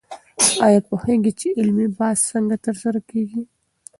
آیا پوهېږئ چې علمي بحث څنګه ترسره کېږي؟